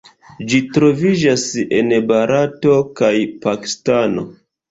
Ĝi troviĝas en Barato kaj Pakistano.